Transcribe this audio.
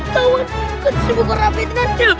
tauan kau disimukun rapi dengan cil